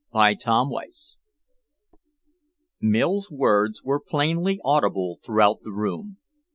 CHAPTER XXXIII Mills' words were plainly audible throughout the room.